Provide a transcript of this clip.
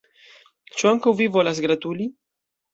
Ĉu ankaŭ vi volas gratuli?